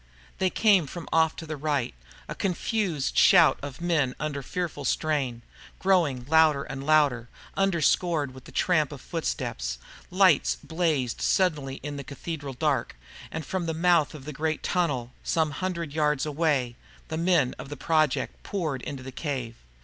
They came from off to the right, a confused shout of men under fearful strain, growing louder and louder, underscored with the tramp of footsteps. Lights blazed suddenly in the cathedral dark, and from the mouth of a great tunnel some hundred yards away, the men of the Project poured into the cave.